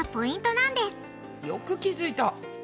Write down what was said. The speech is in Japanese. よく気付いた！